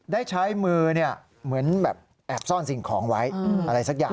ได้ใช้มือเหมือนแบบแอบซ่อนสิ่งของไว้อะไรสักอย่าง